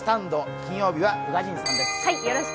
金曜日は宇賀神さんです。